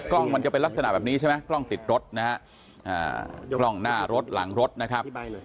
มันจะเป็นลักษณะแบบนี้ใช่ไหมกล้องติดรถนะฮะกล้องหน้ารถหลังรถนะครับ